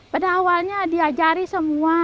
pada awalnya diajari semua